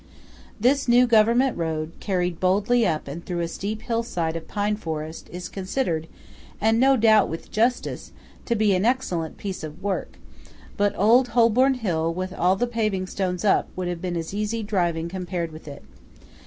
This new government road, carried boldly up and through a steep hill side of pine forest is considered–and no doubt with justice–to be an excellent piece of work; but old Holborn Hill with all the paving stones up would have been easy driving compared with it.